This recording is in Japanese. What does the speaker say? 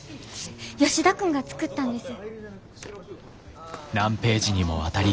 吉田君が作ったんです。